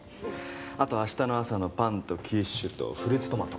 あと明日の朝のパンとキッシュとフルーツトマト。